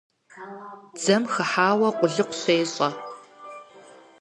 Дзэм хыхьауэ къулыкъу щещӀэ.